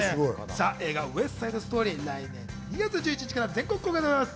映画『ウエスト・サイド・ストーリー』、来年２月１１日から全国公開です。